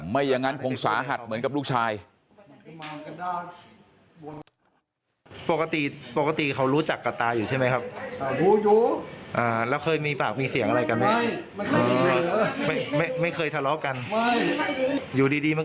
ไม่อย่างนั้นคงสาหัสเหมือนกับลูกชาย